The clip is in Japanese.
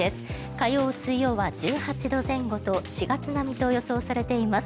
火曜、水曜は１８度前後と４月並みと予想されています。